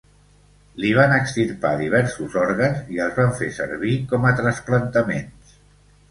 Li van extirpar diversos òrgans i els van fer servir com a trasplantaments.